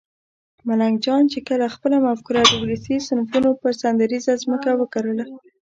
ملنګ جان چې کله خپله مفکوره د ولسي صنفونو پر سندریزه ځمکه وکرله